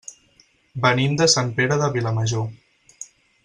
Venim de Sant Pere de Vilamajor.